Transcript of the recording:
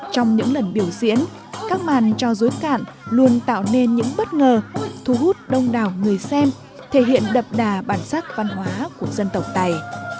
trong những lần biểu diễn các màn cho dối cạn luôn tạo nên những bất ngờ thu hút đông đảo người xem thể hiện đập đà bản sắc văn hóa của dân tộc tài